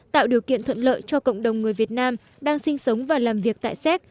tạo điều kiện thuận lợi cho cộng đồng người việt nam đang sinh sống và làm việc tại séc